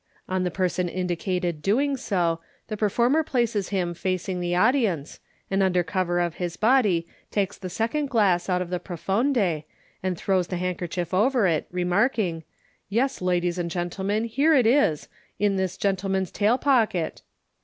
" On the person indicated doing so, the performer places him facing the audi ence, and under cover of his body takes the second glass out of the prqfonde, and throws the handkerchief over it, remarking, "Yes, ladies and gentlemen, here it is, in this gentleman's tail pocket."